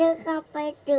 eh siapa itu